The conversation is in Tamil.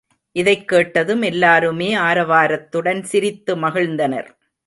இதைக் கேட்டதும் எல்லாருமே ஆரவாரத்துடன் சிரித்து மகிழ்ந்தனர்.